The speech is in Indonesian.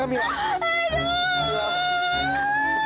aduh kan aku berdarah